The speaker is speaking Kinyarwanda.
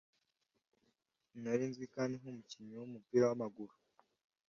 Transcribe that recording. Nari nzwi kandi nk'umukinnyi w'umupira w'amaguru